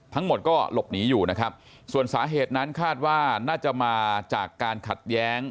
ทั้งหมดก็หลบหนีอยู่นะครับส่วนสาเหตุนั้นคาดว่าน่าจะมาจากการขัดแย้ง